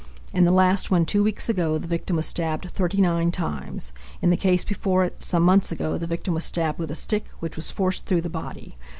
In the last one, two weeks ago, the victim was stabbed 39 times. In the case before it, some months ago, the victim was stabbed with a stick, which was forced through the body.